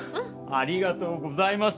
ありがとうございます。